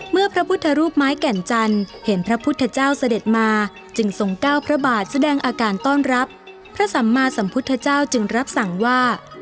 พระพุทธรูปไม้แก่นจันทร์เห็นพระพุทธเจ้าเสด็จมาจึงทรงก้าวพระบาทแสดงอาการต้อนรับพระสัมมาสัมพุทธเจ้าจึงรับสั่งว่า